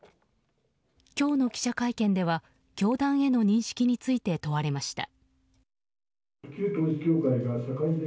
今日の記者会見では、教団への認識について問われました。